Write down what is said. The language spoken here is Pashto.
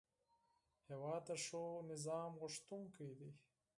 هېواد د ښو سیسټم غوښتونکی دی.